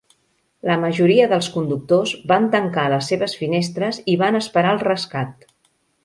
La majoria dels conductors van tancar les seves finestres i van esperar el rescat.